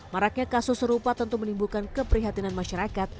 maraknya kasus serupa tentu menimbulkan keprihatinan masyarakat